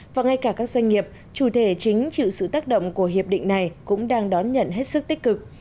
và ngay cả các doanh nghiệp chủ thể chính chịu sự tác động của hiệp định này cũng đang đón nhận hết sức tích cực